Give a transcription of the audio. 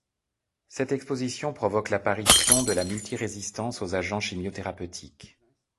Cette exposition provoque l’apparition de la multirésistance aux agents chimiothérapeutiques.